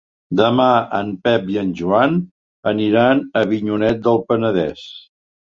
Demà en Pep i en Joan aniran a Avinyonet del Penedès.